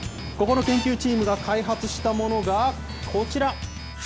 ここの研究チームが開発したものが、こちら。